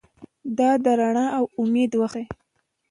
دا د رڼا او امید وخت دی.